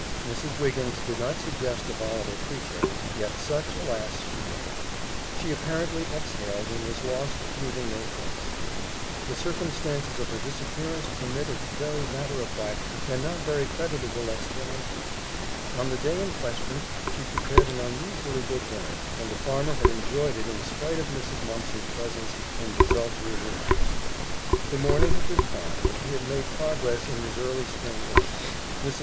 Mrs. Wiggins did not suggest a volatile creature, yet such, alas! she was. She apparently exhaled and was lost, leaving no trace. The circumstances of her disappearance permit of a very matter of fact and not very creditable explanation. On the day in question she prepared an unusually good dinner, and the farmer had enjoyed it in spite of Mrs. Mumpson's presence and desultory remarks. The morning had been fine and he had made progress in his early spring work. Mrs.